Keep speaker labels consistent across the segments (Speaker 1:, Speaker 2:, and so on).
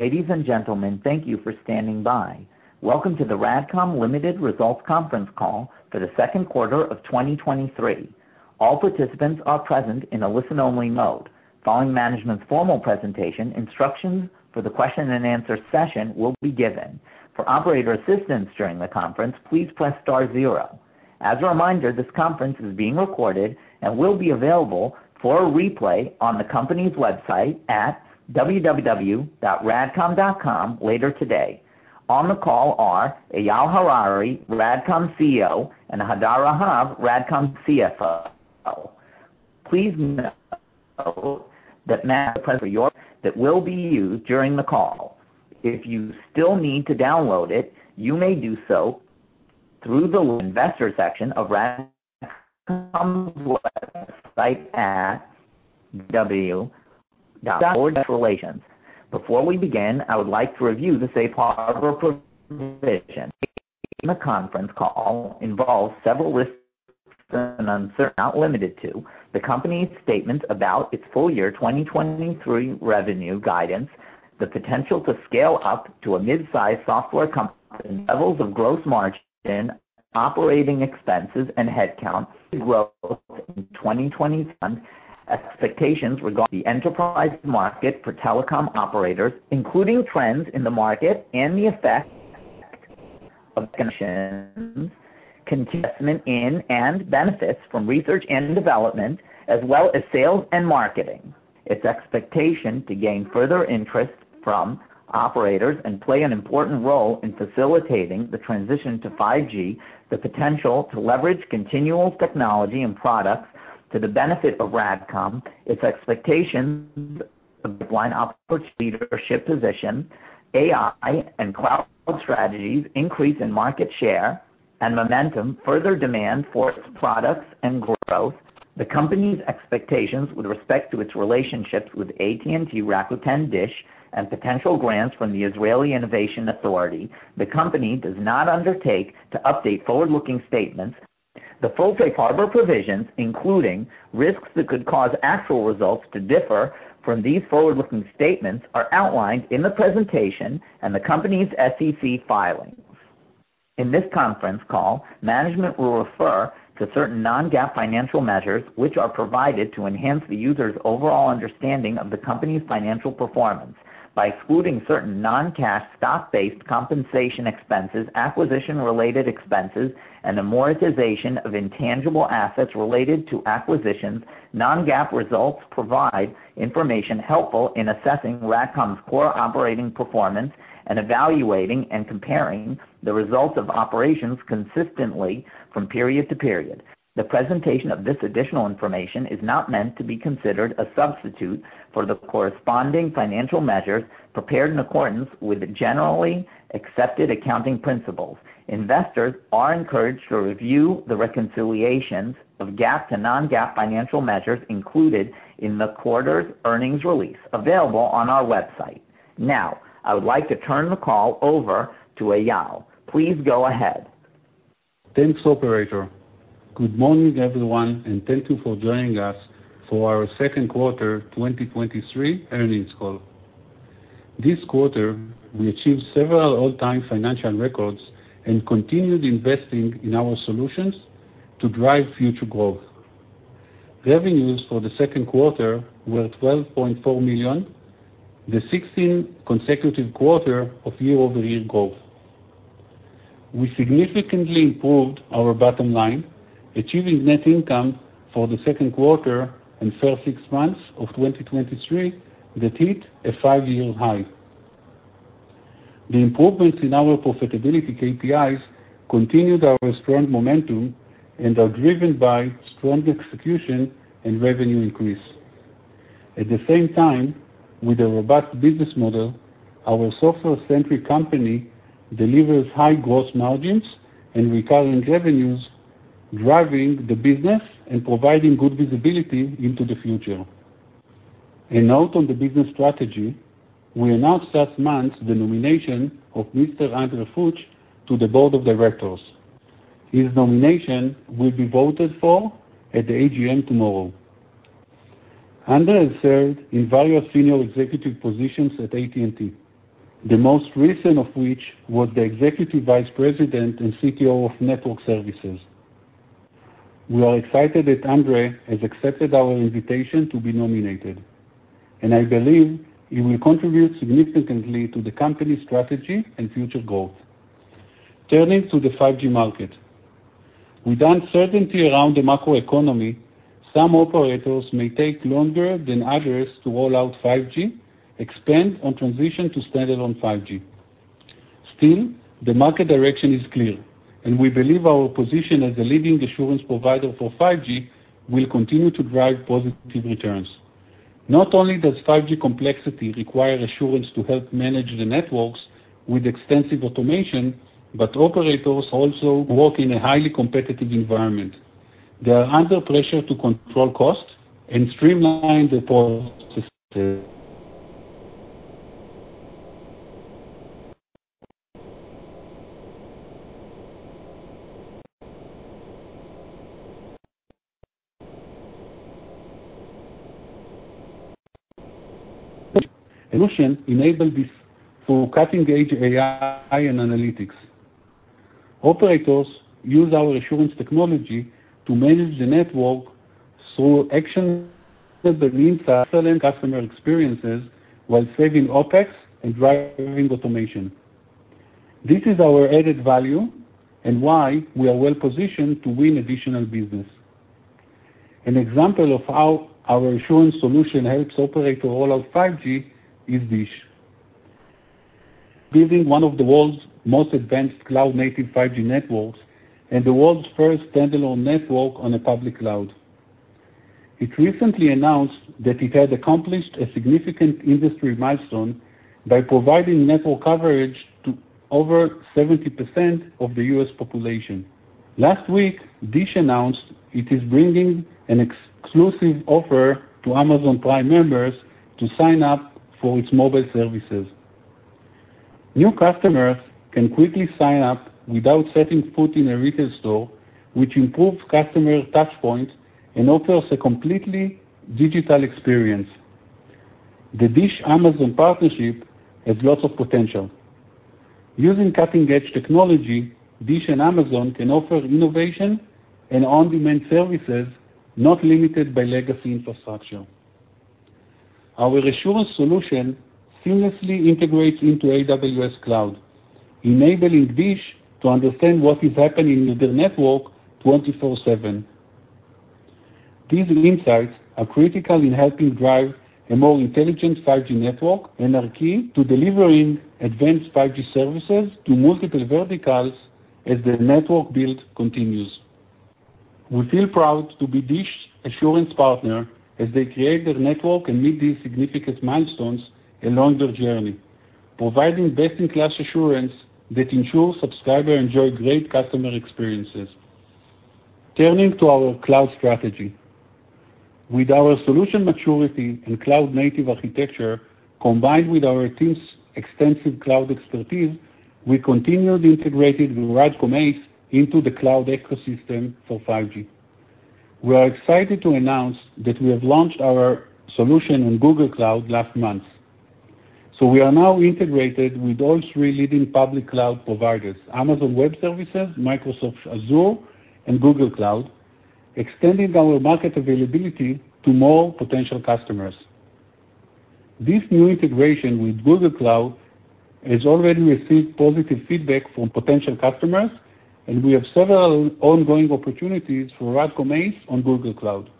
Speaker 1: Ladies and gentlemen, thank you for standing by. Welcome to the RADCOM Ltd. Results Conference Call for the Q2 2023. All participants are present in a listen-only mode. Following management's formal presentation, instructions for the question and answer session will be given. For operator assistance during the conference, please press star 0. As a reminder, this conference is being recorded and will be available for a replay on the company's website at www.radcom.com later today. On the call are Eyal Harari, RADCOM CEO, and Hadar Rahav, RADCOM CFO. Please note that management present for your that will be used during the call. If you still need to download it, you may do so through the investor section of RADCOM's website at w.relations. Before we begin, I would like to review the safe harbor provision. In the conference call involves several risks and uncertainties, not limited to the company's statement about its full year 2023 revenue guidance, the potential to scale up to a mid-size software company, levels of gross margin, operating expenses, and headcount, growth in 2021, expectations regarding the enterprise market for telecom operators, including trends in the market and the effect of connections, investment in and benefits from research and development, as well as sales and marketing. Its expectation to gain further interest from operators and play an important role in facilitating the transition to 5G, the potential to leverage continual technology and products to the benefit of RADCOM, its expectations of one opportunity leadership position, AI and cloud strategies, increase in market share and momentum, further demand for its products and growth, the company's expectations with respect to its relationships with AT&T, Rakuten DISH, and potential grants from the Israel Innovation Authority. The company does not undertake to update forward-looking statements. The full safe harbor provisions, including risks that could cause actual results to differ from these forward-looking statements, are outlined in the presentation and the company's SEC filings. In this conference call, management will refer to certain non-GAAP financial measures, which are provided to enhance the user's overall understanding of the company's financial performance. By excluding certain non-cash stock-based compensation expenses, acquisition-related expenses, and amortization of intangible assets related to acquisitions, non-GAAP results provide information helpful in assessing RADCOM's core operating performance and evaluating and comparing the results of operations consistently from period to period. The presentation of this additional information is not meant to be considered a substitute for the corresponding financial measures prepared in accordance with generally accepted accounting principles. Investors are encouraged to review the reconciliations of GAAP to non-GAAP financial measures included in the quarter's earnings release, available on our website. Now, I would like to turn the call over to Eyal. Please go ahead.
Speaker 2: Thanks, operator. Good morning, everyone. Thank you for joining us for our Q2 2023 Earnings Call. This quarter, we achieved several all-time financial records and continued investing in our solutions to drive future growth. Revenues for the Q2 were $12.4 million, the 16th consecutive quarter of year-over-year growth. We significantly improved our bottom line, achieving net income for the Q2 and first six months of 2023 that hit a five-year high. The improvements in our profitability KPIs continued our strong momentum and are driven by strong execution and revenue increase. At the same time, with a robust business model, our software-centric company delivers high gross margins and recurring revenues, driving the business and providing good visibility into the future. A note on the business strategy, we announced last month the nomination of Mr. André Fuchs to the board of directors. His nomination will be voted for at the AGM tomorrow. Andre has served in various senior executive positions at AT&T, the most recent of which was the Executive Vice President and CTO of Network Services. We are excited that Andre has accepted our invitation to be nominated, and I believe he will contribute significantly to the company's strategy and future growth. Turning to the 5G market. With uncertainty around the macroeconomy, some operators may take longer than others to roll out 5G, expand, and transition to standalone 5G. Still, the market direction is clear, and we believe our position as the leading assurance provider for 5G will continue to drive positive returns. Not only does 5G complexity require assurance to help manage the networks with extensive automation, but operators also work in a highly competitive environment. They are under pressure to control costs and streamline the process system.... Solution enable this through cutting-edge AI and analytics. Operators use our assurance technology to manage the network through action that means excellent customer experiences, while saving OpEx and driving automation. This is our added value and why we are well positioned to win additional business. An example of how our assurance solution helps operator roll out 5G is DISH, building one of the world's most advanced cloud-native 5G networks and the world's first Standalone network on a public cloud. It recently announced that it had accomplished a significant industry milestone by providing network coverage to over 70% of the U.S. population. Last week, DISH announced it is bringing an exclusive offer to Amazon Prime members to sign up for its mobile services. New customers can quickly sign up without setting foot in a retail store, which improves customer touch points and offers a completely digital experience. The Dish-Amazon partnership has lots of potential. Using cutting-edge technology, Dish and Amazon can offer innovation and on-demand services not limited by legacy infrastructure. Our assurance solution seamlessly integrates into AWS Cloud, enabling Dish to understand what is happening in their network 24/7. These insights are critical in helping drive a more intelligent 5G network and are key to delivering advanced 5G services to multiple verticals as the network build continues. We feel proud to be Dish's assurance partner as they create their network and meet these significant milestones along their journey, providing best-in-class assurance that ensures subscriber enjoy great customer experiences. Turning to our cloud strategy. With our solution maturity and cloud-native architecture, combined with our team's extensive cloud expertise, we continued integrated with RADCOM ACE into the cloud ecosystem for 5G. We are excited to announce that we have launched our solution on Google Cloud last month, so we are now integrated with all three leading public cloud providers, Amazon Web Services, Microsoft Azure, and Google Cloud, extending our market availability to more potential customers. This new integration with Google Cloud has already received positive feedback from potential customers, and we have several ongoing opportunities for RADCOM ACE on Google Cloud.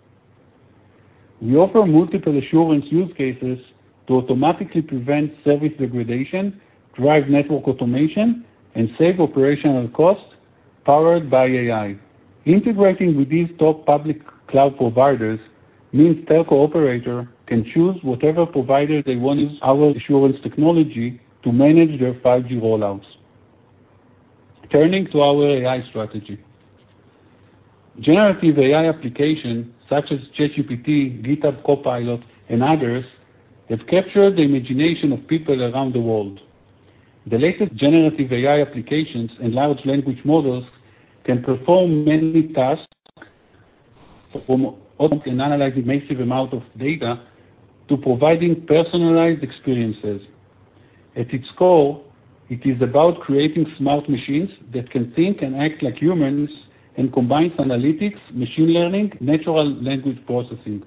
Speaker 2: We offer multiple assurance use cases to automatically prevent service degradation, drive network automation, and save operational costs powered by AI. Integrating with these top public cloud providers means telco operator can choose whatever provider they want to use our assurance technology to manage their 5G rollouts. Turning to our AI strategy. Generative AI applications such as ChatGPT, GitHub Copilot, and others, have captured the imagination of people around the world. The latest generative AI applications and large language models can perform many tasks, from analyze the massive amount of data to providing personalized experiences. At its core, it is about creating smart machines that can think and act like humans and combines analytics, machine learning, natural language processing.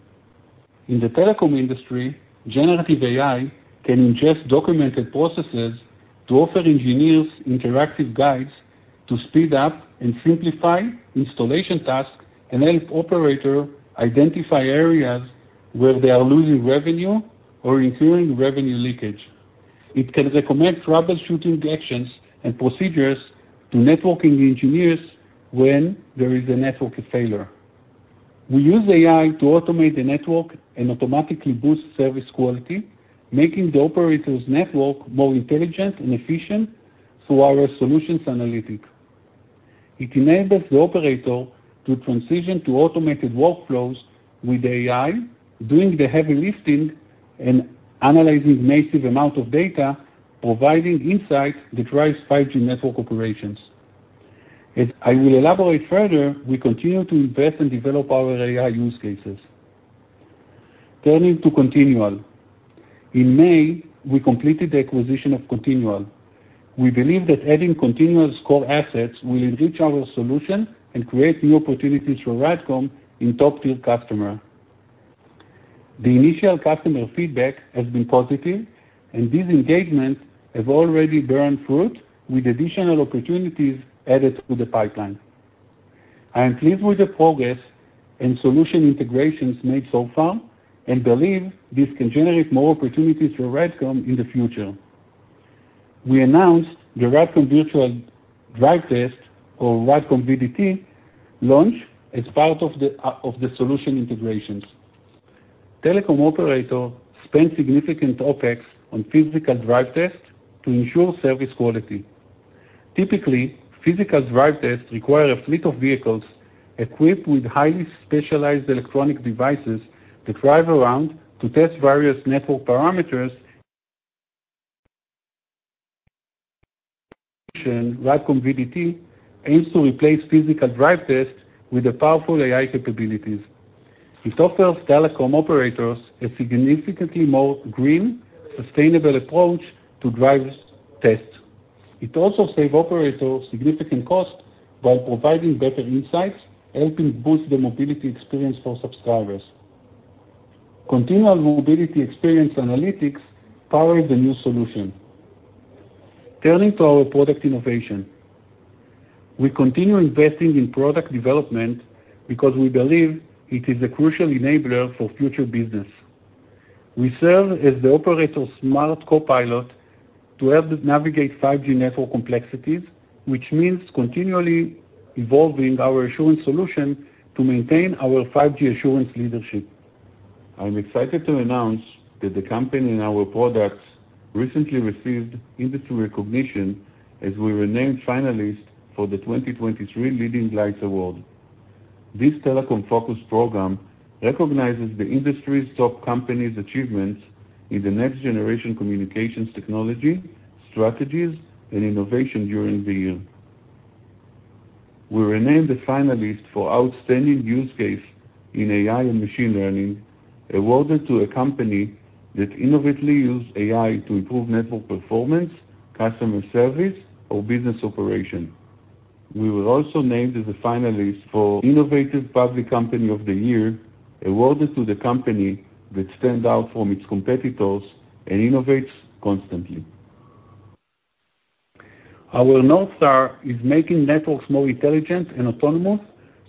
Speaker 2: In the telecom industry, generative AI can ingest documented processes to offer engineers interactive guides to speed up and simplify installation tasks and help operator identify areas where they are losing revenue or incurring revenue leakage. It can recommend troubleshooting actions and procedures to networking engineers when there is a network failure. We use AI to automate the network and automatically boost service quality, making the operator's network more intelligent and efficient through our solutions analytics. It enables the operator to transition to automated workflows, with AI doing the heavy lifting and analyzing massive amount of data, providing insights that drives 5G network operations. As I will elaborate further, we continue to invest and develop our AI use cases. Turning to Continual. In May, we completed the acquisition of Continual. We believe that adding Continual's core assets will enrich our solution and create new opportunities for RADCOM in top-tier customer. The initial customer feedback has been positive, and these engagements have already borne fruit, with additional opportunities added to the pipeline. I am pleased with the progress and solution integrations made so far and believe this can generate more opportunities for RADCOM in the future. We announced the RADCOM Virtual Drive Test, or RADCOM VDT, launch as part of the solution integrations. Telecom operator spend significant OpEx on physical drive test to ensure service quality. Typically, physical drive tests require a fleet of vehicles equipped with highly specialized electronic devices that drive around to test various network parameters. RADCOM VDT aims to replace physical drive tests with the powerful AI capabilities. It offers telecom operators a significantly more green, sustainable approach to drive tests. It also save operators significant cost while providing better insights, helping boost the mobility experience for subscribers. Continual mobility experience analytics power the new solution. Turning to our product innovation. We continue investing in product development because we believe it is a crucial enabler for future business. We serve as the operator's smart copilot to help them navigate 5G network complexities, which means continually evolving our assurance solution to maintain our 5G assurance leadership. I'm excited to announce that the company and our products recently received industry recognition, as we were named finalist for the 2023 Leading Lights Award. This telecom-focused program recognizes the industry's top companies' achievements in the next-generation communications technology, strategies, and innovation during the year. We were named a finalist for Outstanding Use Case in AI and machine learning, awarded to a company that innovatively use AI to improve network performance, customer service, or business operation. We were also named as a finalist for Innovative Public Company of the Year, awarded to the company that stand out from its competitors and innovates constantly. Our North Star is making networks more intelligent and autonomous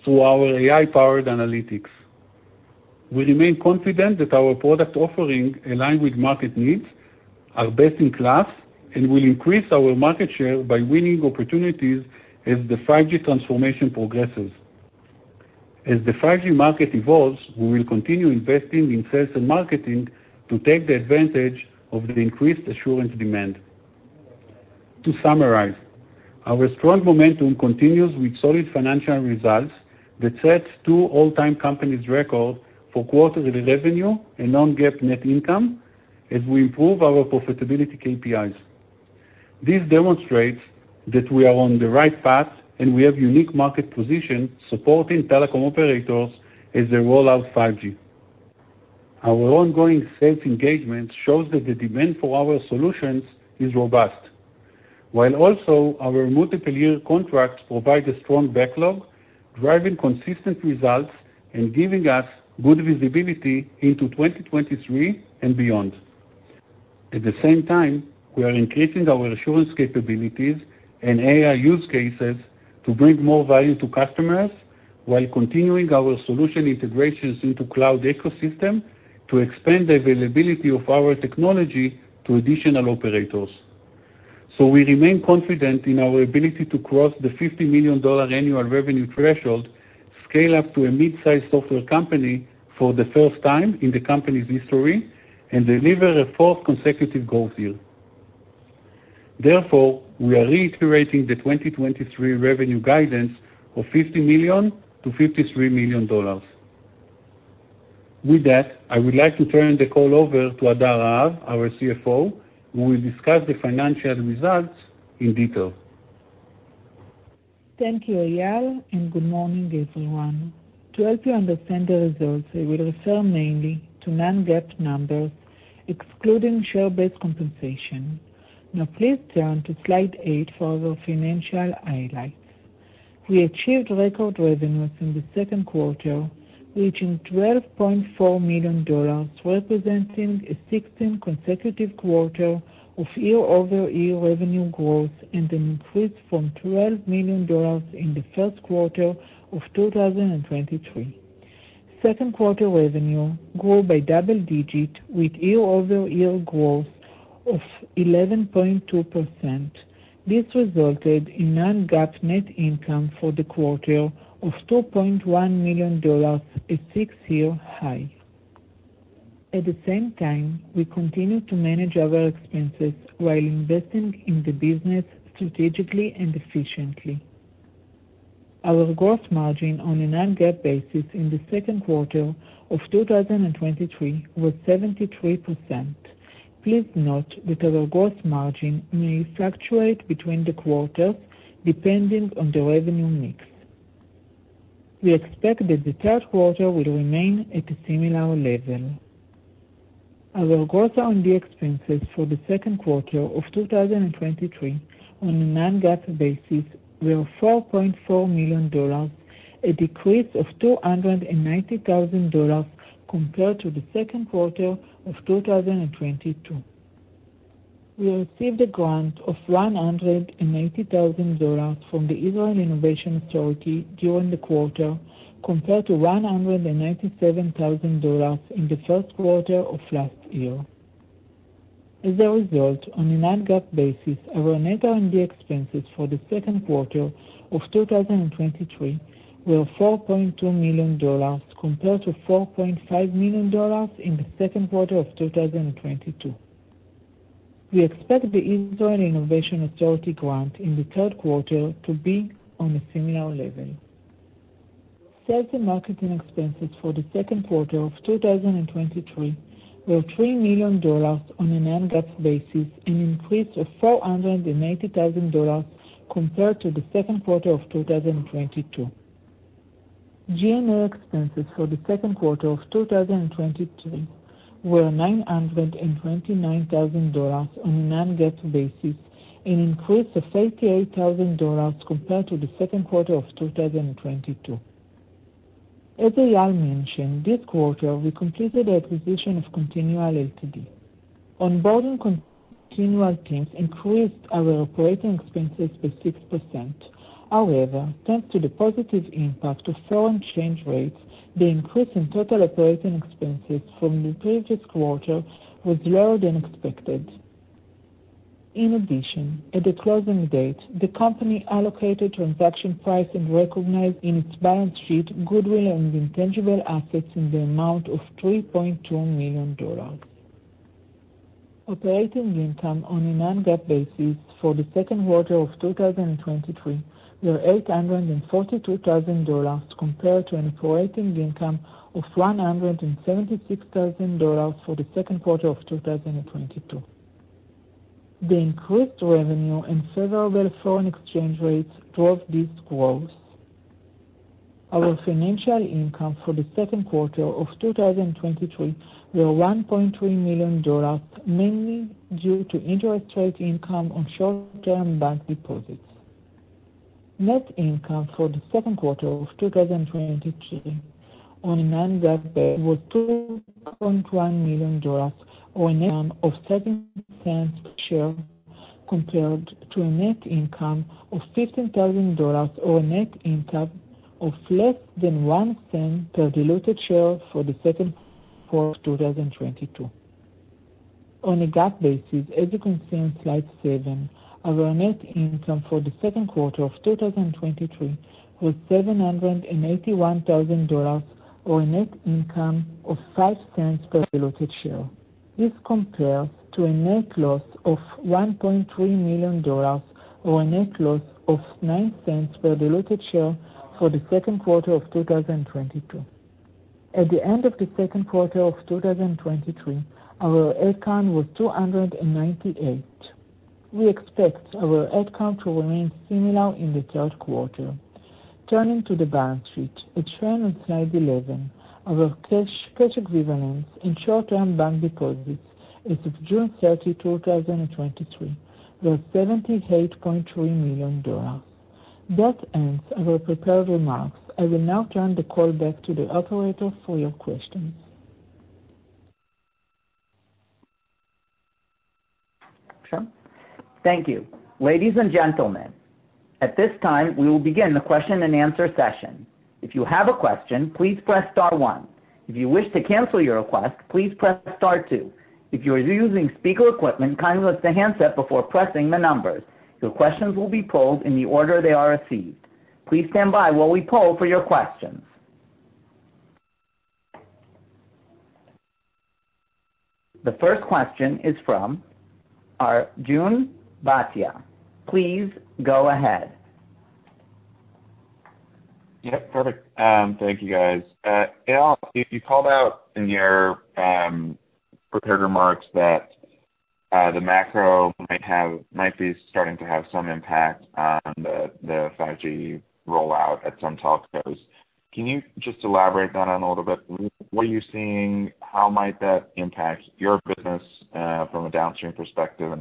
Speaker 2: through our AI-powered analytics. We remain confident that our product offering align with market needs, are best-in-class, and will increase our market share by winning opportunities as the 5G transformation progresses. As the 5G market evolves, we will continue investing in sales and marketing to take the advantage of the increased assurance demand. To summarize, our strong momentum continues with solid financial results that sets two all-time company's record for quarterly revenue and non-GAAP net income, as we improve our profitability KPIs. This demonstrates that we are on the right path, and we have unique market position, supporting telecom operators as they roll out 5G. Our ongoing sales engagement shows that the demand for our solutions is robust, while also our multiple-year contracts provide a strong backlog, driving consistent results and giving us good visibility into 2023 and beyond. At the same time, we are increasing our assurance capabilities and AI use cases to bring more value to customers, while continuing our solution integrations into cloud ecosystem to expand the availability of our technology to additional operators. We remain confident in our ability to cross the $50 million annual revenue threshold, scale up to a mid-size software company for the first time in the company's history, and deliver a fourth consecutive growth year. Therefore, we are reiterating the 2023 revenue guidance of $50 million-$53 million. With that, I would like to turn the call over to Hadar Rahav, our CFO, who will discuss the financial results in detail.
Speaker 3: Thank you, Eyal. To help you understand the results, I will refer mainly to non-GAAP numbers, excluding share-based compensation. Now, please turn to slide eight for our financial highlights. We achieved record revenues in the Q2, reaching $12.4 million, representing a 16 consecutive quarter of year-over-year revenue growth and an increase from $12 million in the Q1 of 2023. Q2 revenue grew by double digit, with year-over-year growth of 11.2%. This resulted in non-GAAP net income for the quarter of $2.1 million, a six-year high. At the same time, we continued to manage our expenses while investing in the business strategically and efficiently. Our gross margin on a non-GAAP basis in the Q2 of 2023 was 73%. Please note that our gross margin may fluctuate between the quarters, depending on the revenue mix. We expect that the Q3 will remain at a similar level. Our growth on the expenses for the Q2 of 2023 on a non-GAAP basis were $4.4 million, a decrease of $290,000 compared to the Q2 of 2022. We received a grant of $180,000 from the Israel Innovation Authority during the quarter, compared to $197,000 in the Q1 of last year. As a result, on a non-GAAP basis, our net R&D expenses for the Q2 of 2023 were $4.2 million, compared to $4.5 million in the Q2 of 2022. We expect the Israel Innovation Authority grant in the Q3 to be on a similar level. Sales and marketing expenses for the Q2 of 2023 were $3 million on a non-GAAP basis, an increase of $480,000 compared to the Q2 of 2022. G&A expenses for the Q2 of 2022 were $929,000 on a non-GAAP basis, an increase of $88,000 compared to the Q2 of 2022. As Eyal mentioned, this quarter, we completed the acquisition of Continual Ltd. Onboarding Continual teams increased our operating expenses by 6%. However, thanks to the positive impact of foreign change rates, the increase in total operating expenses from the previous quarter was lower than expected. At the closing date, the company allocated transaction price and recognized in its balance sheet goodwill and intangible assets in the amount of $3.2 million. Operating income on a non-GAAP basis for the Q2 of 2023 were $842,000 compared to an operating income of $176,000 for the Q2 of 2022. The increased revenue and favorable foreign exchange rates drove this growth. Our financial income for the Q2 of 2023 were $1.3 million, mainly due to interest rate income on short-term bank deposits. Net income for the Q2 of 2022 on a non-GAAP basis was $2.1 million, or a net of $0.07 per share, compared to a net income of $15,000, or a net income of less than $0.01 per diluted share for the Q2 of 2022. On a GAAP basis, as you can see on slide seven, our net income for the Q2 of 2023 was $781,000, or a net income of $0.05 per diluted share. This compares to a net loss of $1.3 million, or a net loss of $0.09 per diluted share for the Q2 of 2022. At the end of the Q2 of 2023, our head count was 298. We expect our head count to remain similar in the Q3. Turning to the balance sheet, it shown on slide 11. Our cash, cash equivalents, and short-term bank deposits as of 30 June 2023, were $78.3 million. That ends our prepared remarks. I will now turn the call back to the operator for your questions.
Speaker 1: Sure. Thank you. Ladies and gentlemen, at this time, we will begin the question and answer session. If you have a question, please press star one. If you wish to cancel your request, please press star two. If you are using speaker equipment, kindly use the handset before pressing the numbers. Your questions will be polled in the order they are received. Please stand by while we poll for your questions. The first question is from our Arjun Bhatia. Please go ahead.
Speaker 4: Yep, perfect. Thank you, guys. Eyal, you called out in your prepared remarks that the macro might be starting to have some impact on the 5G rollout at some telcos. Can you just elaborate that on a little bit? What are you seeing? How might that impact your business from a downstream perspective?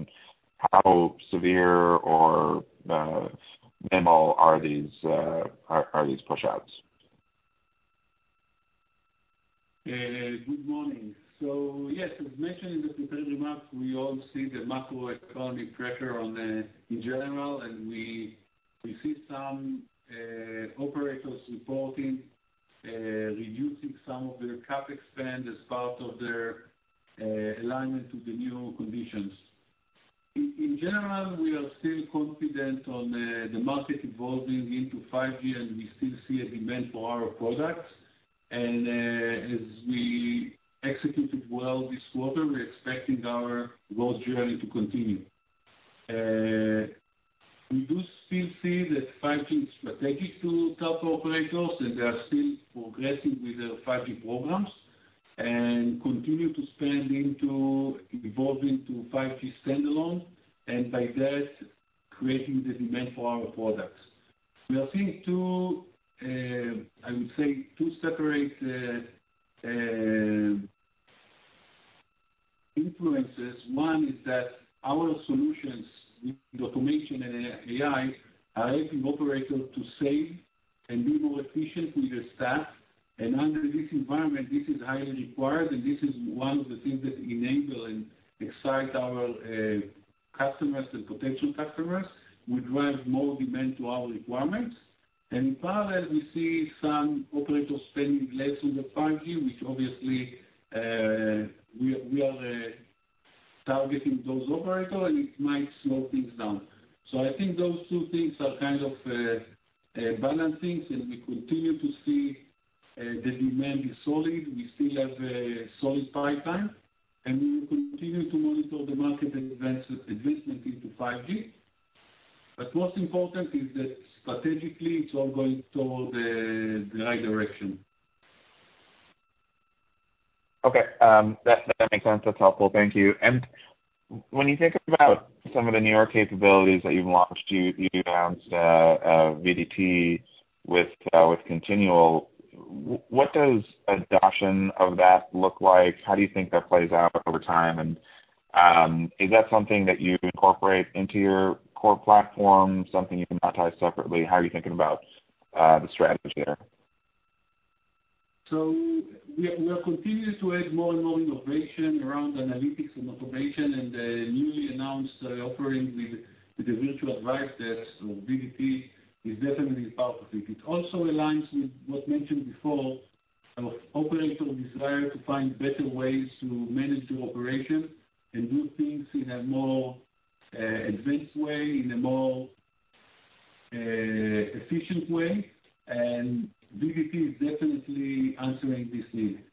Speaker 4: How severe or minimal are these pushouts?
Speaker 2: Good morning. Yes, as mentioned in the prepared remarks, we all see the macroeconomic pressure on the, in general, and we, we see some operators reporting reducing some of their CapEx spend as part of their alignment to the new conditions. In general, we are still confident on the market evolving into 5G, and we still see a demand for our products. As we executed well this quarter, we're expecting our growth journey to continue. We do still see that 5G is strategic to top operators, and they are still progressing with their 5G programs and continue to spend into evolving to 5G Standalone, and by that, creating the demand for our products. We are seeing two, I would say, two separate influences. One is that our solutions, with automation and AI, are helping operators to save and be more efficient with their staff. Under this environment, this is highly required, and this is one of the things that enable and excite our customers and potential customers, which drive more demand to our requirements. Parallel, we see some operators spending less on the 5G, which obviously, we are targeting those operators, and it might slow things down. I think those two things are kind of balancing, and we continue to see the demand is solid. We still have a solid pipeline, and we will continue to monitor the market and advancement into 5G. Most important is that strategically, it's all going toward the right direction.
Speaker 4: Okay, that, that makes sense. That's helpful. Thank you. When you think about some of the newer capabilities that you've launched, you, you announced VDT with Continual. What does adoption of that look like? How do you think that plays out over time? Is that something that you incorporate into your core platform, something you can monetize separately? How are you thinking about the strategy there?
Speaker 2: We, we are continuing to add more and more innovation around analytics and automation, and the newly announced offering with the Virtual Drive Test, so VDT, is definitely part of it. It also aligns with what mentioned before, of operator desire to find better ways to manage the operation and do things in a more advanced way, in a more efficient way. VDT is definitely answering this need.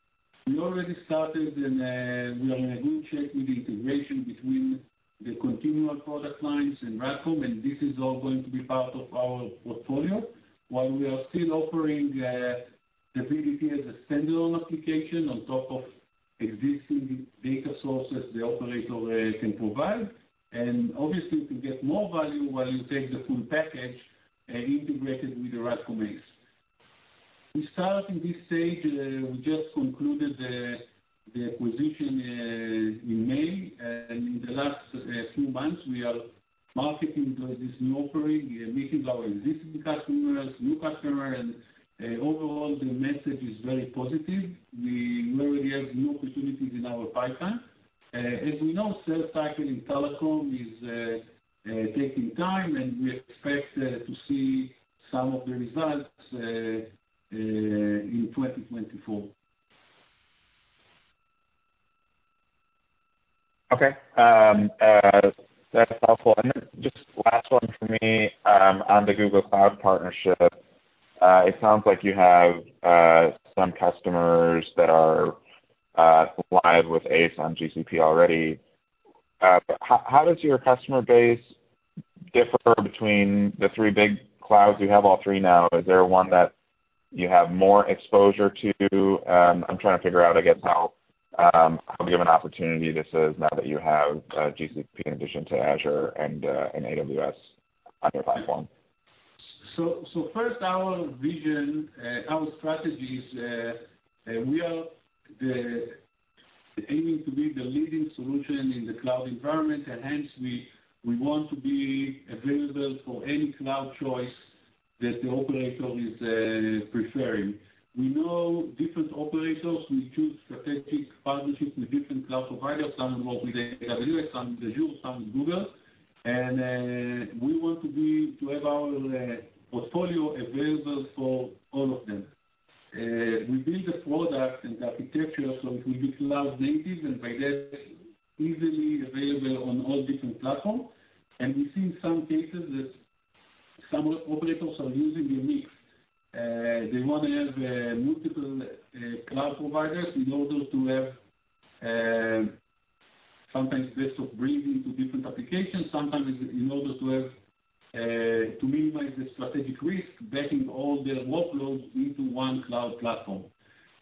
Speaker 2: We already started, and we are in a good shape with the integration between the Continual product lines in RADCOM, and this is all going to be part of our portfolio. While we are still offering the VDT as a standalone application on top of existing data sources the operator can provide, and obviously to get more value while you take the full package integrated with the RADCOM ACE. We start in this stage, we just concluded the, the acquisition, in May. In the last, few months, we are marketing this new offering. We are meeting our existing customers, new customer, and, overall, the message is very positive. We already have new opportunities in our pipeline. As we know, sales cycle in telecom is, taking time, and we expect to see some of the results, in 2024.
Speaker 4: Okay. That's helpful. Just last one for me, on the Google Cloud partnership. It sounds like you have some customers that are live with ACE on GCP already. How does your customer base differ between the three big clouds? You have all three now. Is there one that you have more exposure to? I'm trying to figure out, I guess, how of an opportunity this is now that you have GCP in addition to Azure and AWS on your platform.
Speaker 2: First, our vision, our strategies, we are the aiming to be the leading solution in the cloud environment, and hence we, we want to be available for any cloud choice that the operator is preferring. We know different operators will choose strategic partnerships with different cloud providers, some work with AWS, some with Azure, some with Google. We want to be, to have our portfolio available for all of them. We build the product and architecture, so it will be cloud-native, and by that, easily available on all different platforms. We see some cases that some operators are using a mix. They want to have multiple cloud providers in order to have sometimes flexibility to bring into different applications, sometimes in order to have to minimize the strategic risk, betting all their workloads into one cloud platform.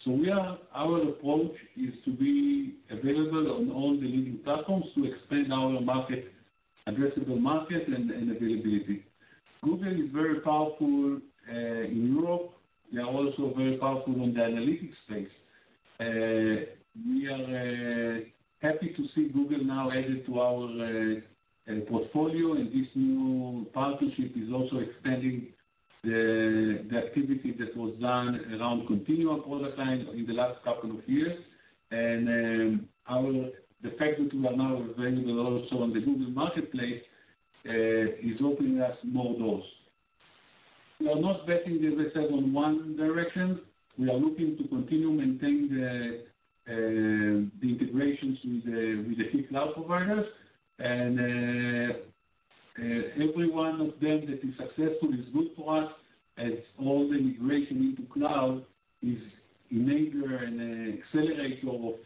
Speaker 2: Our approach is to be available on all the leading platforms to expand our market, addressable market and availability. Google is very powerful in Europe. They are also very powerful in the analytics space. We are happy to see Google now added to our portfolio, and this new partnership is also extending the activity that was done around Continual product line in the last couple of years. The fact that we are now available also on the Google Marketplace is opening us more doors. We are not betting, as I said, on one direction. We are looking to continue maintaining the integrations with the, with the key cloud providers. Every one of them that is successful is good for us, as all the migration into cloud is enabler and accelerator of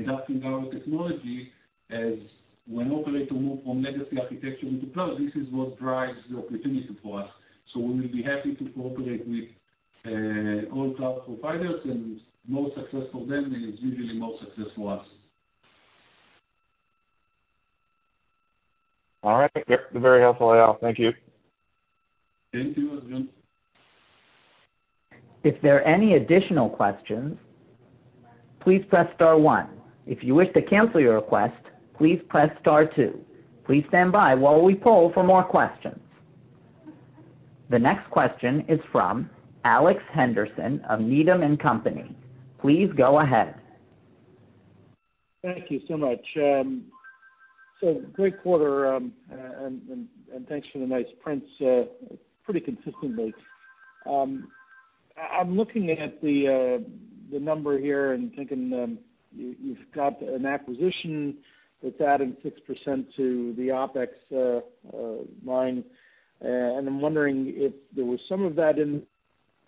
Speaker 2: adapting our technology. As when operator move from legacy architecture into cloud, this is what drives the opportunity for us. We will be happy to cooperate with all cloud providers, and more success for them is usually more success for us.
Speaker 4: All right. Very helpful, Eyal. Thank you.
Speaker 2: Thank you, Arjun.
Speaker 1: If there are any additional questions, please press star one. If you wish to cancel your request, please press star two. Please stand by while we poll for more questions. The next question is from Alex Henderson of Needham & Company. Please go ahead.
Speaker 5: Thank you so much. So great quarter, and thanks for the nice prints, pretty consistently. I'm looking at the number here and thinking, you've got an acquisition that's adding 6% to the OpEx line, and I'm wondering if there was some of that in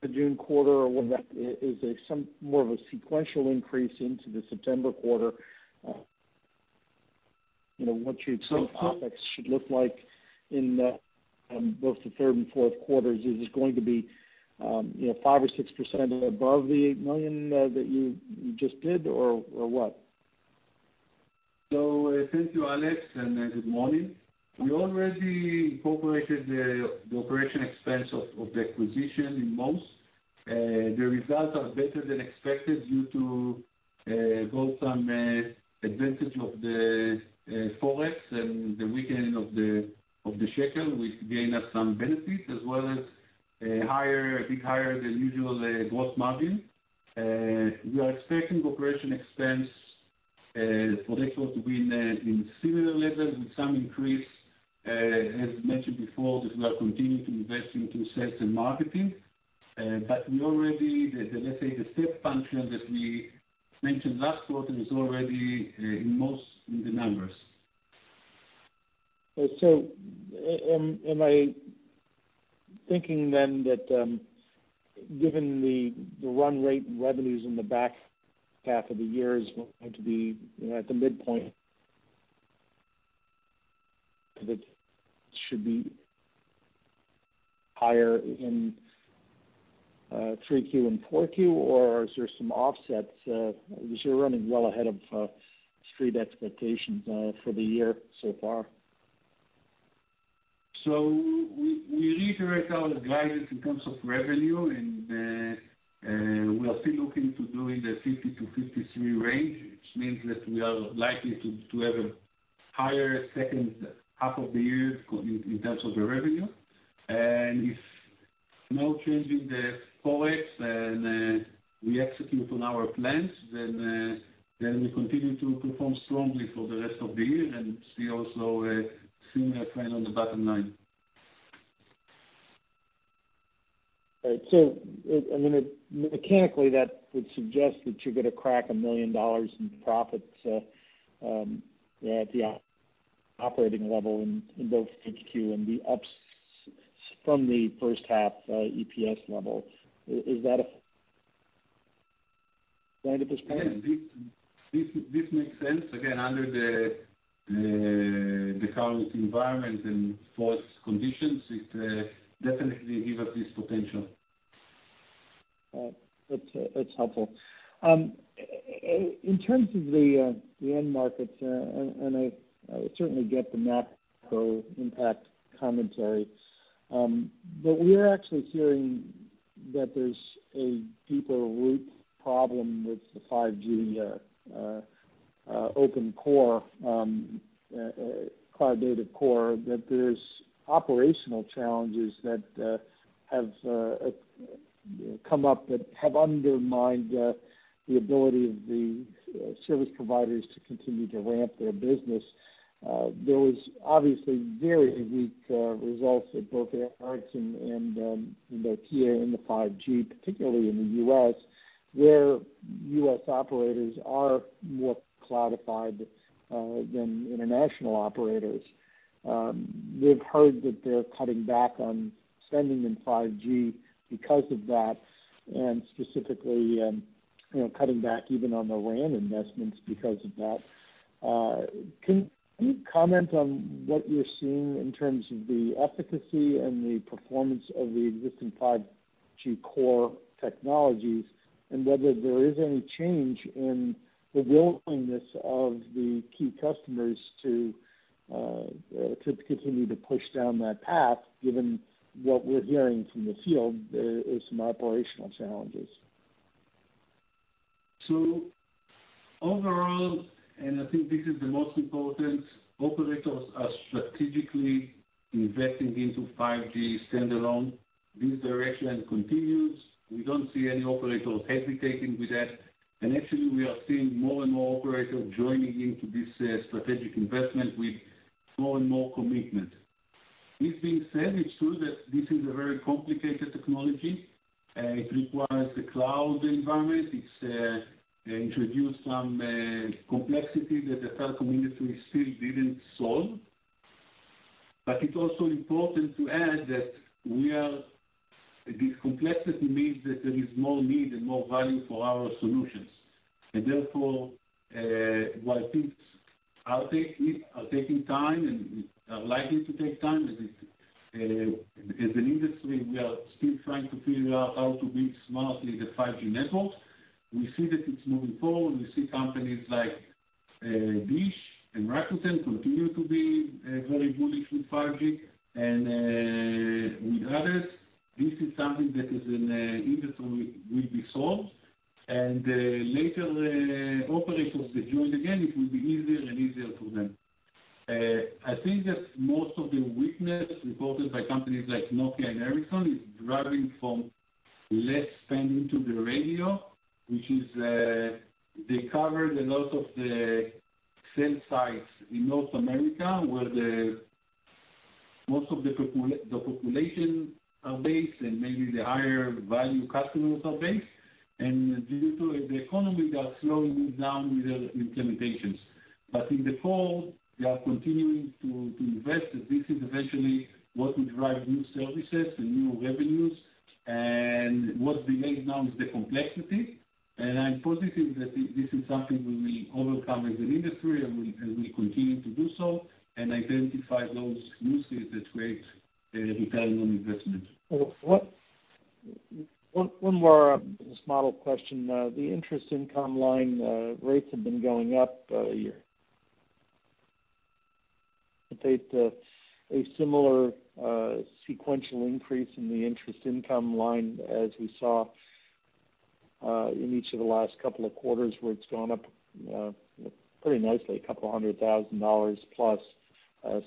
Speaker 5: the Q2 or when that is a some more of a sequential increase into the Q3, you know, what you expect OpEx should look like in both the third and Q4s. Is this going to be, you know, 5% or 6% above the $8 million that you just did, or what?
Speaker 2: Thank you, Alex, and good morning. We already incorporated the operation expense of the acquisition in most. The results are better than expected due to both on advantage of the Forex and the weakening of the shekel, which gain us some benefit, as well as a higher, I think, higher than usual, gross margin. We are expecting operation expense for this quarter to be in similar levels with some increase as mentioned before, that we are continuing to invest into sales and marketing. We already, let's say, the step function that we mentioned last quarter is already in most in the numbers.
Speaker 5: Am I thinking then that given the, the run rate revenues in the back half of the year is going to be, you know, at the midpoint? That it should be higher in Q3 and Q4, or is there some offsets because you're running well ahead of street expectations for the year so far.
Speaker 2: We, we reiterate our guidance in terms of revenue, and, we are still looking to doing the $50 million-$53 million range, which means that we are likely to, to have a higher second half of the year in, in terms of the revenue. If no change in the Forex, and, we execute on our plans, then, then we continue to perform strongly for the rest of the year and see also a similar trend on the bottom line.
Speaker 5: All right. I mean, mechanically, that would suggest that you're going to crack $1 million in profits at the operating level in, in both HQ and the ups from the first half EPS level. Is, is that a right assessment?
Speaker 2: This, this, this makes sense. Again, under the current environment and force conditions, it definitely give us this potential.
Speaker 5: It's, it's helpful. In terms of the end markets, and I, I certainly get the macro impact commentary, but we're actually hearing that there's a deeper root problem with the 5G Open Core, cloud-native core, that there's operational challenges that have come up that have undermined the ability of the service providers to continue to ramp their business. There was obviously very weak results at both Ericsson and Nokia in the 5G, particularly in the U.S., where U.S. operators are more cloudified than international operators. We've heard that they're cutting back on spending in 5G because of that, and specifically, you know, cutting back even on the WAN investments because of that. Can you comment on what you're seeing in terms of the efficacy and the performance of the existing 5G core technologies, and whether there is any change in the willingness of the key customers to continue to push down that path, given what we're hearing from the field, there is some operational challenges?
Speaker 2: Overall, and I think this is the most important, operators are strategically investing into 5G Standalone. This direction continues. We don't see any operator hesitating with that, actually, we are seeing more and more operators joining into this strategic investment with more and more commitment. This being said, it's true that this is a very complicated technology, it requires the cloud environment. It's introduced some complexity that the telecom industry still didn't solve. It's also important to add that the complexity means that there is more need and more value for our solutions. Therefore, while things are taking time and are likely to take time, as an industry, we are still trying to figure out how to build smartly the 5G networks. We see that it's moving forward. We see companies like Dish and Rakuten continue to be very bullish with 5G and with others, this is something that is in industry will be solved. Later, operators that joined, again, it will be easier and easier for them. I think that most of the weakness reported by companies like Nokia and Ericsson is driving from less spending to the radio, which is, they covered a lot of the sales sites in North America, where the most of the population are based, and maybe the higher value customers are based. Due to the economy, they are slowing down with their implementations. In the fall, they are continuing to, to invest, and this is eventually what will drive new services and new revenues. What remains now is the complexity, and I'm positive that this is something we will overcome as an industry, and we, and we continue to do so and identify those uses that create, return on investment.
Speaker 5: What, one, one more model question. The interest income line, rates have been going up a year. A similar sequential increase in the interest income line as we saw in each of the last couple of quarters, where it's gone up pretty nicely, $200,000+,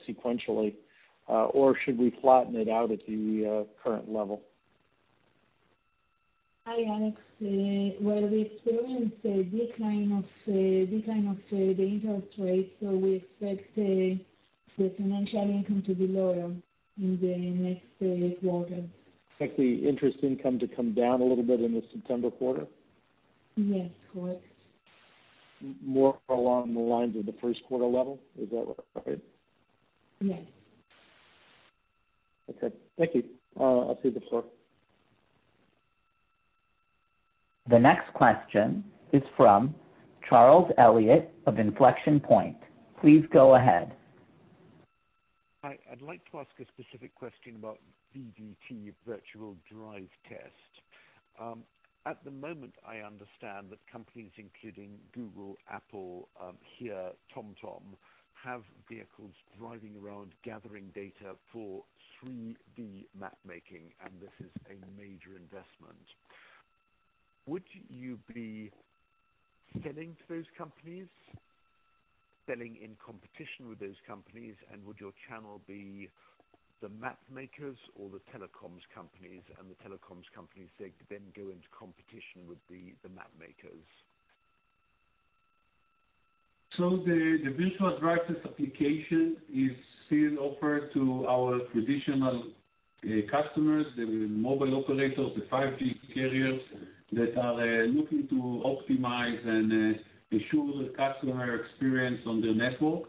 Speaker 5: sequentially. Should we flatten it out at the current level?
Speaker 3: Hi, Alex. Well, we experienced a decline of decline of the interest rate, so we expect the financial income to be lower in the next quarter.
Speaker 5: Expect the interest income to come down a little bit in the Q3?
Speaker 3: Yes, correct.
Speaker 5: More along the lines of the Q1 level, is that right?
Speaker 3: Yes.
Speaker 5: Okay, thank you. I'll see the floor.
Speaker 1: The next question is from Charles Elliott of Inflection Point. Please go ahead.
Speaker 6: Hi, I'd like to ask a specific question about VDT, Virtual Drive Test. At the moment, I understand that companies including Google, Apple, HERE, TomTom, have vehicles driving around, gathering data for 3D mapmaking, and this is a major investment. Would you be selling to those companies, selling in competition with those companies, and would your channel be the mapmakers or the telecoms companies, and the telecoms companies they then go into competition with the, the mapmakers?
Speaker 2: The virtual drives application is still offered to our traditional customers, the mobile operators, the 5G carriers, that are looking to optimize and ensure the customer experience on their network.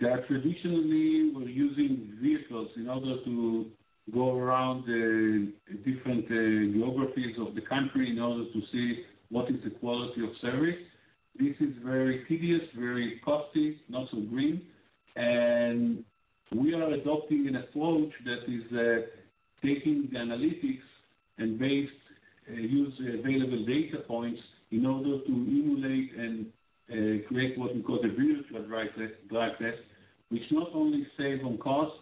Speaker 2: That traditionally we're using vehicles in order to go around the different geographies of the country in order to see what is the quality of service. This is very tedious, very costly, not so green, and we are adopting an approach that is taking the analytics and based use available data points in order to emulate and create what we call the virtual drive test, drive test. Which not only save on costs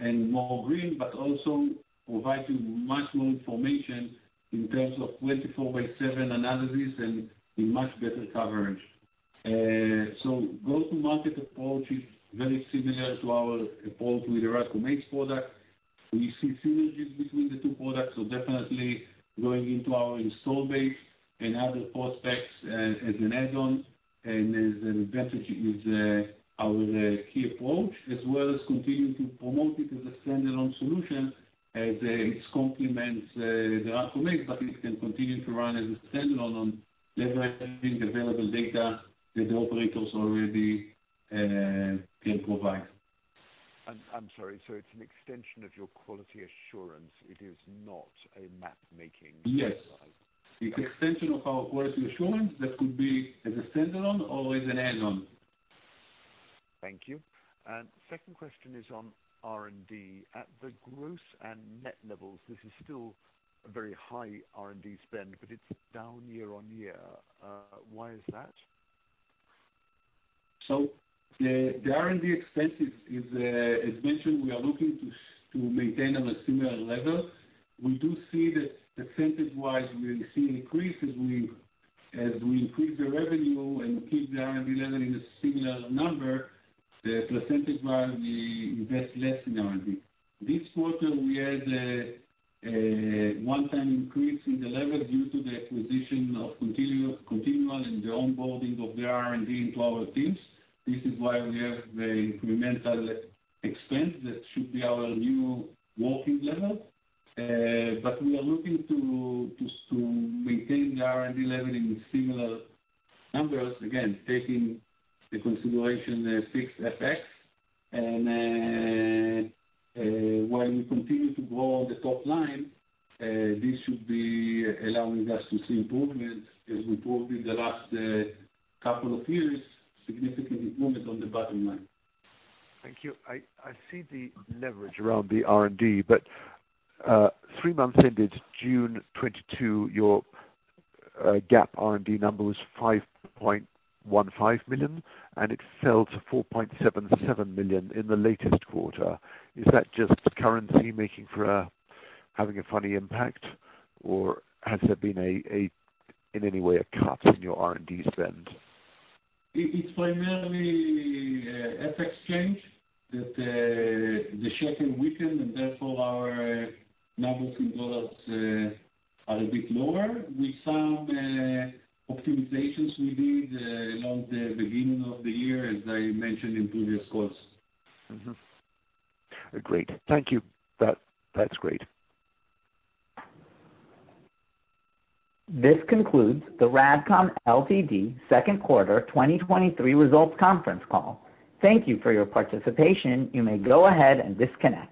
Speaker 2: and more green, but also providing much more information in terms of 24/7 analysis and a much better coverage. Go-to-market approach is very similar to our approach with the RADCOM ACE product. We see synergies between the two products, so definitely going into our install base and other prospects as, as an add-on and as an advantage is our key approach, as well as continuing to promote it as a standalone solution, as it complements the RADCOM ACE but it can continue to run as a standalone on leveraging available data that the operators already can provide.
Speaker 6: I'm, I'm sorry, it's an extension of your quality assurance, it is not a mapmaking?
Speaker 2: Yes. It's extension of our quality assurance that could be as a standalone or as an add-on.
Speaker 6: Thank you. Second question is on R&D. At the gross and net levels, this is still a very high R&D spend, but it's down year-over-year. Why is that?
Speaker 2: The, the R&D expense is, as mentioned, we are looking to maintain on a similar level. We do see that percentage-wise, we see increase as we, as we increase the revenue and keep the R&D level in a similar number, the percentage-wise, we invest less in R&D. This quarter, we had a one-time increase in the level due to the acquisition of Continual, Continual and the onboarding of the R&D into our teams. This is why we have the incremental expense that should be our new working level. We are looking to maintain the R&D level in similar numbers, again, taking into consideration the fixed effects. While we continue to grow the top line, this should be allowing us to see improvement, as we proved in the last couple of years, significant improvement on the bottom line.
Speaker 6: Thank you. I, I see the leverage around the R&D, but three months ended June 2022, your GAAP R&D number was $5.15 million, and it fell to $4.77 million in the latest quarter. Is that just currency making for having a funny impact, or has there been in any way, a cut in your R&D spend?
Speaker 2: It's primarily FX change, that the shekel weakened, and therefore our numbers in dollars are a bit lower. With some optimizations we did along the beginning of the year, as I mentioned in previous calls.
Speaker 6: Mm-hmm. Great. Thank you. That, that's great.
Speaker 1: This concludes the RADCOM Ltd Q2 2023 results conference call. Thank you for your participation. You may go ahead and disconnect.